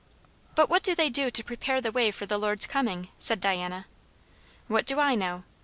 "But what do they do to prepare the way for the Lord's coming?" said Diana. "What do I know?